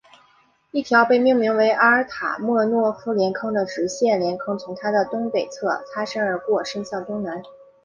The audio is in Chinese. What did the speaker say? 一条被命名为阿尔塔莫诺夫链坑的直线链坑从它的东北侧擦身而过伸向东南。